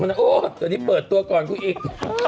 โอ้โฮตัวนี้เปิดตัวก่อนกู่อีก